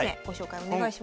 お願いします。